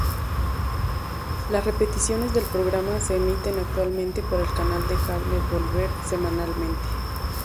Las repeticiones del programa se emiten actualmente por el canal de cable Volver semanalmente.